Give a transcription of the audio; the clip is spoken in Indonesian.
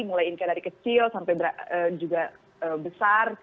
mulai inka dari kecil sampai juga besar